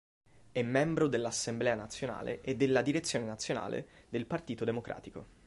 È membro dell'Assemblea Nazionale e della Direzione Nazionale del Partito Democratico.